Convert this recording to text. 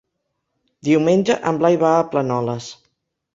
Diumenge en Blai va a Planoles.